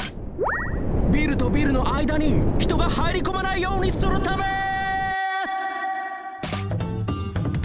ビルとビルのあいだにひとが入りこまないようにするため！